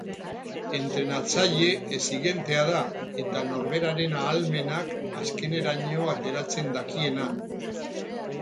Entrenatzaile exigentea da eta norberaren ahalmenak azkeneraino ateratzen dakiena.